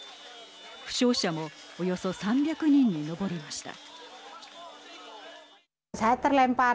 負傷者もおよそ３００人に上りました。